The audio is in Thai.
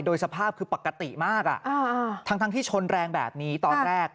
โดยสภาพคือปกติมากทั้งที่ชนแรงแบบนี้ตอนแรก